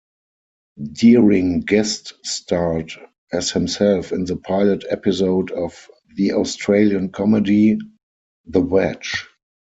Deering guest-starred as himself in the pilot episode of the Australian comedy "The Wedge".